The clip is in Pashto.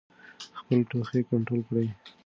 خپل ټوخی کنټرول کړئ.